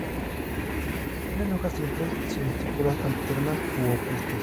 Tienen hojas simples, sin estípulas, alternas u opuestas.